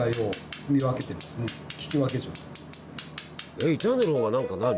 えっ傷んでる方が何か何？